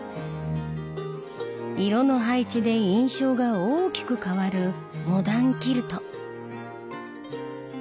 色の配置で印象が大きく変わるモダンキルト。